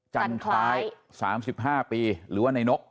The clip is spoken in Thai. จันทราย๓๕ปีหรือว่าในนก